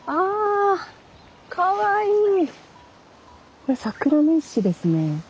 これ桜の一種ですね。